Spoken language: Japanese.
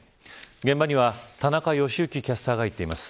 現場には田中良幸キャスターが行っています。